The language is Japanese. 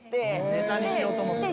ネタにしようと思ってるんだ。